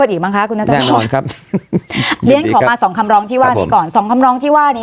ได้ถ็อกมาสองคำรองที่ก่อนถ้าผมคำรองที่ว่านี้